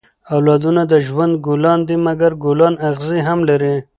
اولادونه د ژوند ګلان دي؛ مکر ګلان اغزي هم لري.